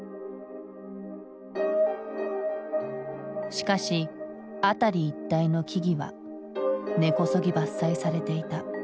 しかし辺り一帯の木々は根こそぎ伐採されていた。